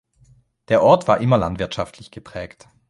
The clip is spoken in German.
Der Ort war immer landwirtschaftlich geprägt.